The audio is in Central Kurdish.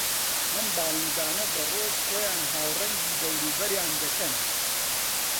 ئەم باڵندانە بە ڕۆژ خۆیان ھاوڕەنگی دەوروبەریان دەکەن